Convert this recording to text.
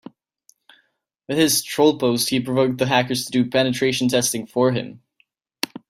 With his troll post he provoked the hackers to do penetration testing for him.